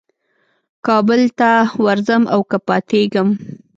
کابل ته ورځم او که پاتېږم.